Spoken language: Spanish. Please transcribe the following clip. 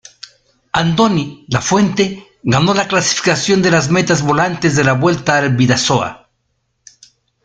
Andoni Lafuente ganó la clasificación de las metas volantes de la Vuelta al Bidasoa.